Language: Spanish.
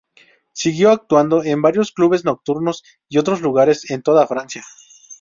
Siguió actuando en varios clubes nocturnos y otros lugares en toda Francia.